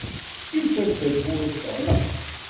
Yufa-d tawwurt teɣleq.